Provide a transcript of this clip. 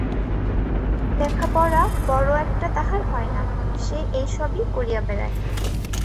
লেখাপড় বড় একটা তাহার হয় না, সে এই সবই করিয়া বেড়ায়।